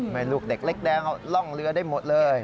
แม่ลูกเด็กเล็กแดงเขาร่องเรือได้หมดเลย